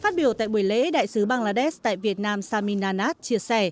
phát biểu tại buổi lễ đại sứ bangladesh tại việt nam samina nath chia sẻ